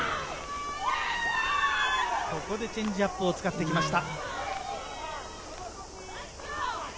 ここでチェンジアップを使ってきました。